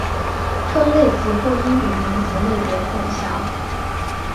分类词不应与名词类别混淆。